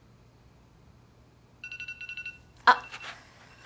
あっ。